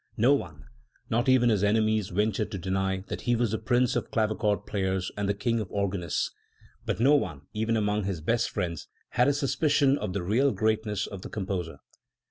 No one, not even his enemies, ventured to deny that he was the prince of clavichord players and the king of organists ; but no one, even among his best friends., had a suspicion of the real greatness of the composer.